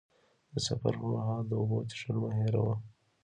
د سفر پر مهال د اوبو څښل مه هېروه.